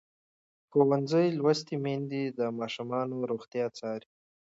ښوونځې لوستې میندې د ماشومانو روغتیا څاري.